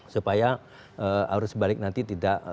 supaya arus balik nanti tidak